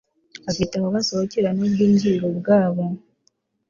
Bafite aho basohokera nubwinjiriro bwabo